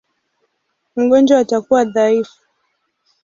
Mgonjwa atakuwa dhaifu.